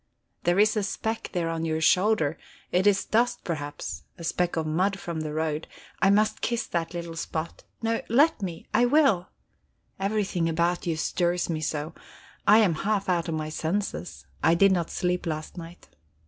"There is a speck there on your shoulder; it is dust, perhaps, a speck of mud from the road; I must kiss that little spot. No let me I will. Everything about you stirs me so! I am half out of my senses. I did not sleep last night."